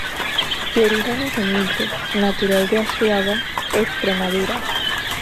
De orígenes humildes, natural de Azuaga, Extremadura.